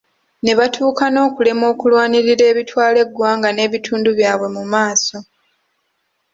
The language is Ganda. Nebatuuka n'okulemwa okulwanirira ebitwala eggwanga n'ebitundu byabwe mu maaso.